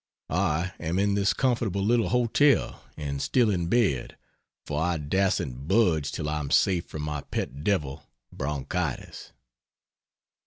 I am in this comfortable little hotel, and still in bed for I dasn't budge till I'm safe from my pet devil, bronchitis.